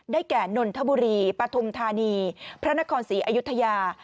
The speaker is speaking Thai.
แก่นนทบุรีปฐุมธานีพระนครศรีอยุธยา